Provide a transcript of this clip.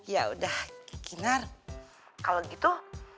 ya udah ginar kalau gitu